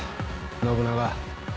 信長。